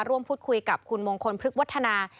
ร่วมพูดคุยกับคุณมงคลพฤกษวัฒนา